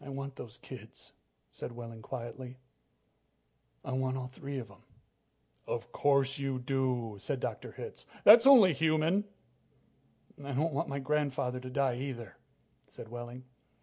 "I want those kids," said Wehling quietly. "I want all three of them." "Of course you do," said Dr. Hitz. "That's only human." "I don't want my grandfather to die, either," said Wehling.